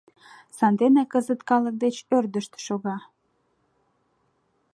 Сандене кызыт калык деч ӧрдыжтӧ шога.